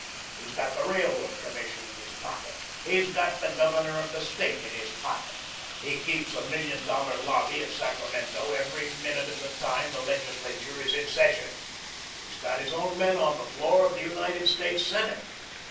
He's got the Railroad Commission in his pocket. He's got the Governor of the State in his pocket. He keeps a million dollar lobby at Sacramento every minute of the time the legislature is in session; he's got his own men on the floor of the United States Senate.